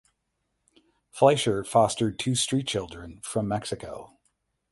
Fleischer fostered two street children from Mexico.